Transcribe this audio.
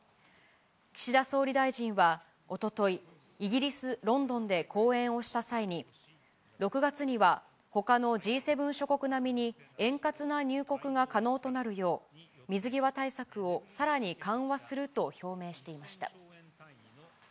岸田総理大臣はおととい、イギリス・ロンドンで講演をした際に、６月にはほかのＧ７諸国並みに円滑な入国が可能となるよう、水際対策をさらに緩和すると表明していました。